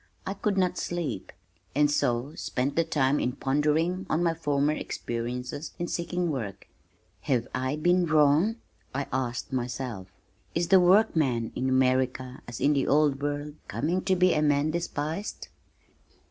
I could not sleep, and so spent the time in pondering on my former experiences in seeking work. "Have I been wrong?" I asked myself. "Is the workman in America, as in the old world, coming to be a man despised?"